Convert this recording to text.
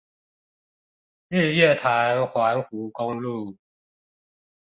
日月潭環湖公路